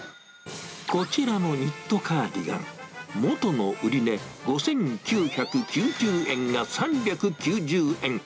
こちらのニットカーディガン、元の売り値５９９０円が３９０円。